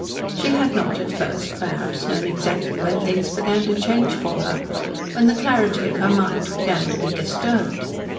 She had not, at first, perhaps, known exactly when things began to change for her when the clarity of her mind began to be disturbed.